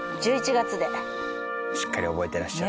しっかり覚えてらっしゃる。